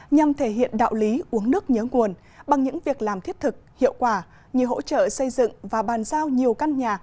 nhằm thể hiện đạo lý uống nước nhớ nguồn bằng những việc làm thiết thực hiệu quả như hỗ trợ xây dựng và bàn giao nhiều căn nhà